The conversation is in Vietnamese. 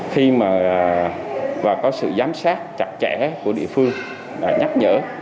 khi mà có sự giám sát chặt chẽ của địa phương nhắc nhở